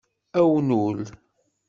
Awnul